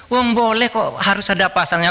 wong boleh kok harus ada pasalnya